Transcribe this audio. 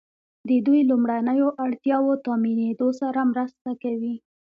د دوی لومړنیو اړتیاوو تامینیدو سره مرسته کوي.